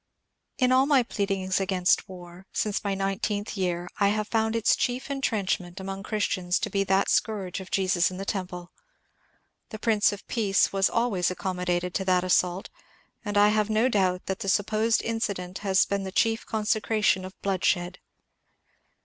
In all my pleadings against war, since my nineteenth year, I have found its chief entrenchment among Christians to be that scourge of Jesus in the temple. The Prince of Peace was always accommodated to that assault, and I have no doubt that the supposed incident has been the chief consecration of blood shed.